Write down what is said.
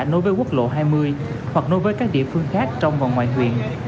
nối với quốc lộ hai mươi hoặc nối với các địa phương khác trong và ngoài huyện